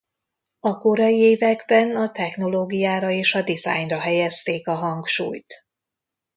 A korai években a technológiára és a dizájnra helyezték a hangsúlyt.